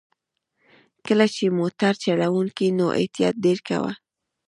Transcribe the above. کله چې موټر چلوې نو احتياط ډېر کوه!